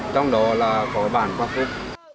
trong đó là có bản quang phúc